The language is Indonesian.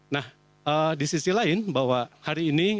nah di sisi lain bahwa hari ini